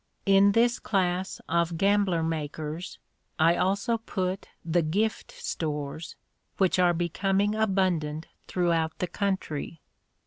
In this class of gambler makers I also put the "gift stores," which are becoming abundant throughout the country.